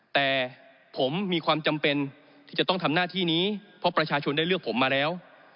แต่ผมมีความจำเป็นที่จะต้องทำหน้าที่นี้เพราะประชาชนได้เลือกผมมาแล้ว